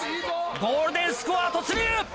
ゴールデンスコア突入！